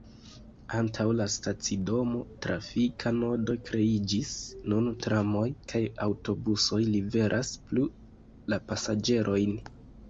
Antaŭ la stacidomo trafika nodo kreiĝis, nun tramoj kaj aŭtobusoj liveras plu la pasaĝerojn.